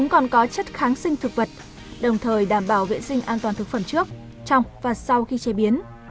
còn có chất kháng sinh thực vật đồng thời đảm bảo vệ sinh an toàn thực phẩm trước trong và sau khi chế biến